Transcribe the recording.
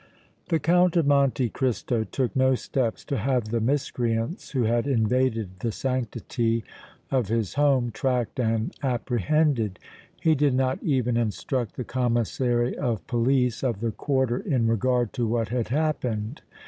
The Count of Monte Cristo took no steps to have the miscreants who had invaded the sanctity of his home tracked and apprehended; he did not even instruct the Commissary of Police of the quarter in regard to what had happened.